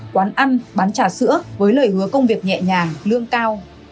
quán ăn bán trà sữa với lời hứa công việc nhẹ nhàng lương cao